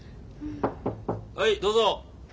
はいどうぞ！